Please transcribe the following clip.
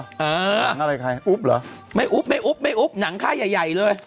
หรือหนังอะไรไงอุ๊บเหรอไม่อุ๊บหนังค่าใหญ่เลย